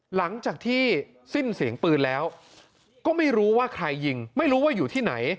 หลังจากที่สิ้นเสียงปืนแล้วก็ไม่รู้ว่าใครยิงไม่รู้ว่าอยู่ที่ไหน